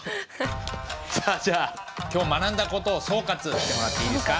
さあじゃあ今日学んだ事を総括してもらっていいですか？